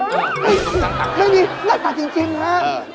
ไม่มีนั่งตักจริงครับ